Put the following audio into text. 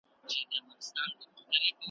نن جهاني بل غزل ستا په نامه ولیکل `